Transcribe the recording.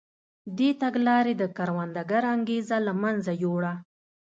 دې تګلارې د کروندګر انګېزه له منځه یووړه.